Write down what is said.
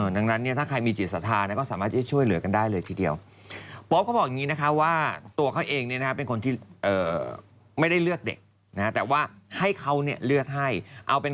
ดังนั้นถ้าใครมีจิตสัทธาน